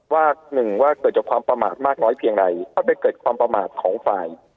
ว่าหนึ่งว่าเกิดจากความประมาทมากน้อยเพียงใดถ้าไปเกิดความประมาทของฝ่าย